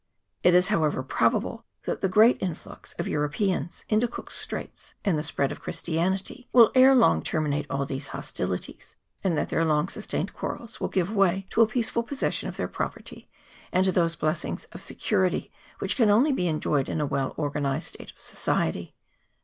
It is, however, probable that the great influx of Europeans into Cook's Straits, and the spreading of Christianity, will ere long ter minate all these hostilities, and that their long sustained quarrels will give way to a peaceful possession of their property, and to those blessings of security which can only be enjoyed in a well organized state of society.